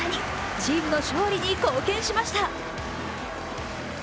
チームの勝利に貢献しました。